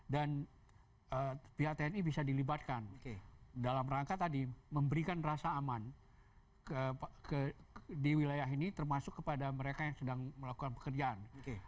dan pihak tni bisa dilibatkan dalam rangka tadi memberikan rasa aman di wilayah ini termasuk kepada mereka yang sedang melakukan pekerjaan